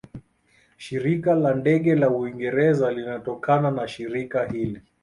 Shirika la Ndege la Uingereza linatokana na shirika hili.